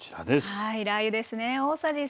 はいラー油ですね。